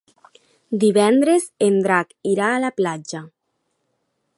Divendres en Drac irà a la platja.